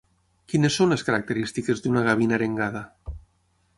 Quines són les característiques d'una gavina arengada?